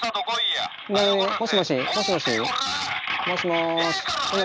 もしもし？もしもし？もしもし？